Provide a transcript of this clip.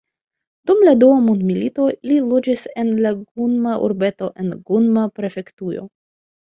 Dum la Dua Mondmilito, li loĝis en la Gunma-urbeto en Gunma-prefektujo.